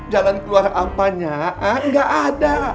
jalan keluar apanya nggak ada